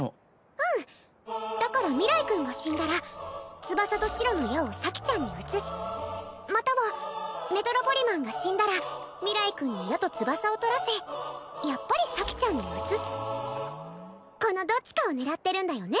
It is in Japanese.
うんだから明日君が死んだら翼と白の矢を咲ちゃんに移すまたはメトロポリマンが死んだら明日君に矢と翼を取らせやっぱり咲ちゃんに移すこのどっちかを狙ってるんだよね